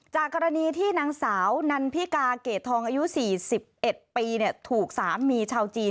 จากกรณีที่นางสาวนันพิกาเกรดทองอายุ๔๑ปีถูกสามีชาวจีน